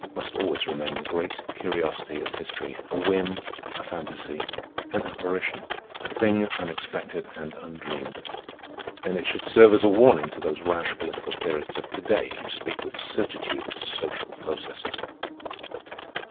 It must always remain the great curiosity of history—a whim, a fantasy, an apparition, a thing unexpected and undreamed; and it should serve as a warning to those rash political theorists of to day who speak with certitude of social processes.